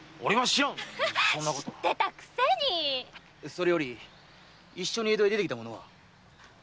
それより一緒に江戸へ出てきた者は？